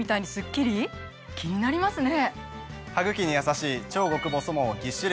気になりますね！